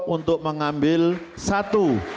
untuk mengambil satu